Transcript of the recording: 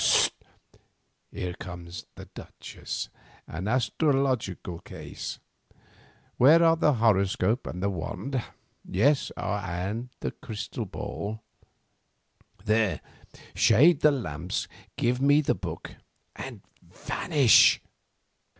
Hist! here comes the duchess—an astrological case this. Where are the horoscope and the wand, yes, and the crystal ball? There, shade the lamps, give me the book, and vanish."